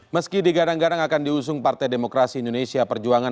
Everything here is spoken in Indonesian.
meski digadang gadang akan diusung partai demokrasi indonesia perjuangan